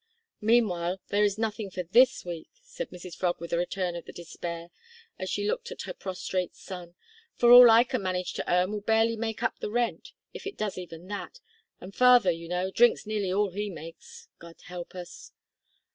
"Meanwhile there is nothing for this week," said Mrs Frog with a return of the despair, as she looked at her prostrate son, "for all I can manage to earn will barely make up the rent if it does even that and father, you know, drinks nearly all he makes. God help us!"